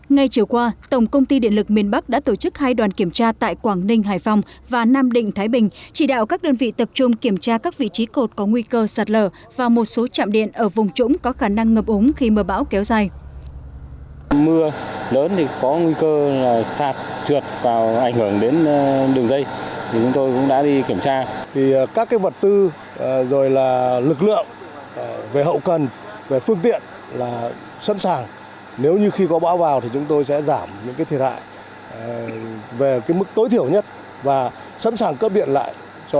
ngay chiều qua tổng công ty điện lực miền bắc đã tổ chức hai đoàn kiểm tra tại quảng ninh hải phòng và nam định thái bình chỉ đạo các đơn vị tập trung kiểm tra các vị trí cột có nguy cơ sạt lở và một số chạm điện ở vùng trũng có khả năng ngập ống khi mưa bão kéo dài